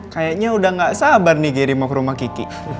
kayaknya udah gak sabar nih giri mok rumah kiki